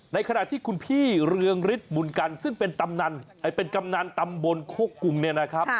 ในขณะที่คุณพี่เรืองฤทธิบุญกันซึ่งเป็นกำนันตำบลโคกรุงเนี่ยนะครับ